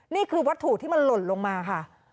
นี่คือวัตถุที่มันหล่นลงมาค่ะ